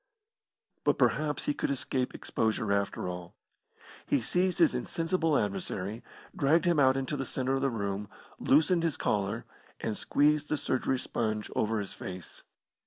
But perhaps he could escape exposure after all. He seized his insensible adversary, dragged him out into the centre of he room, loosened his collar, and squeezed the surgery sponge over his face.